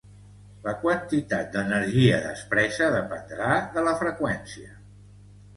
La quantitat d'energia despresa dependrà de la freqüència.